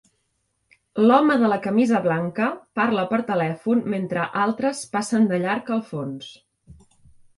L'home de la camisa blanca parla per telèfon mentre altres passen de llarg al fons.